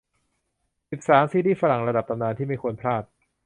สิบสาม ซีรีส์ฝรั่งระดับตำนานที่ไม่ควรพลาด